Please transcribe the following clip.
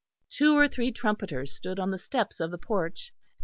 Two or three trumpeters stood on the steps of the porch.